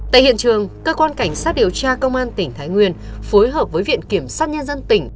tại hiện trường cơ quan cảnh sát điều tra công an tỉnh thái nguyên phối hợp với viện kiểm sát nhân dân tỉnh